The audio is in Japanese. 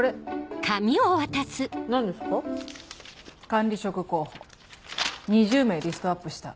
管理職候補２０名リストアップした。